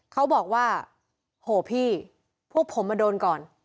เขาบอกว่าโหพี่พวกผมมาโดนก่อน